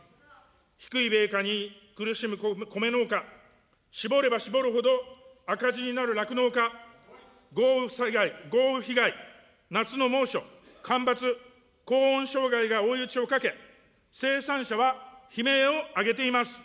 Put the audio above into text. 低い米価に苦しむ米農家、搾れば搾るほど赤字になる酪農家、豪雨災害、豪雨被害、夏の猛暑、干ばつ、高温障害が追い打ちをかけ、生産者は悲鳴を上げています。